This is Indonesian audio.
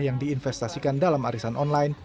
yang diinvestasikan dalam arisan online